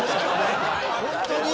ホントに？